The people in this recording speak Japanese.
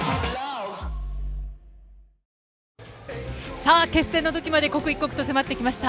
さあ、決戦のときまで刻一刻と迫ってきました。